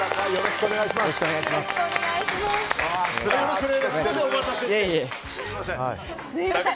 よろしくお願いします。